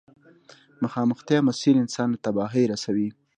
مخامختيا مسير انسان له تباهي رسوي.